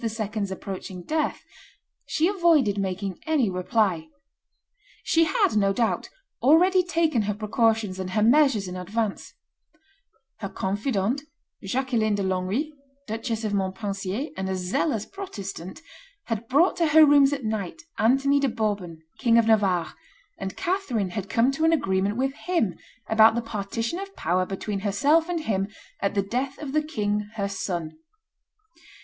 's approaching death, she avoided making any reply. She had, no doubt, already taken her precautions and her measures in advance; her confidante, Jacqueline de Longwy, Duchess of Montpensier and a zealous Protestant, had brought to her rooms at night Antony de Bourbon, King of Navarre, and Catherine had come to an agreement with him about the partition of power between herself and him at the death of the king her son.